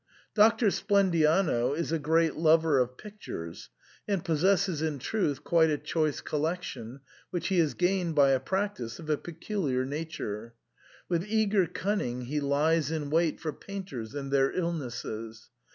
Doctor Splendiano is a great lover of pictures, and possesses in trutli quite a choice collection, which he has gained by a practice of a peculiar nature. With eager cunning he lies in wait for painters and their illnesses.